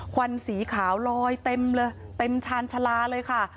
ควันสีขาวลอยเต็มเลยเต็มชาญชาลาเลยค่ะ